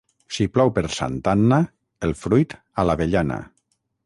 Si plou per Santa Anna, el fruit a l'avellana.